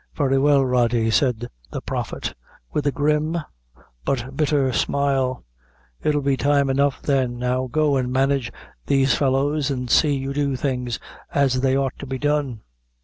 "Very well, Rody," said the Prophet, with a grim but bitter smile, "it'll be time enough then. Now, go and manage these fellows, an' see you do things as they ought to be done."